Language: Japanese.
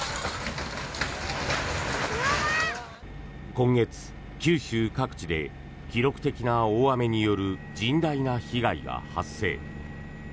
今月、九州各地で記録的な大雨による甚大な被害が発生。